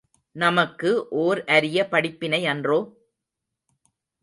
நமக்கு ஓர் அரிய படிப்பினையன்றோ?